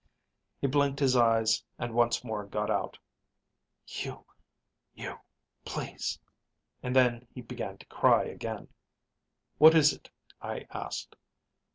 "He blinked his eyes and once more got out, 'You ... you please ...' and then he began to cry again. "'What is it?' I asked.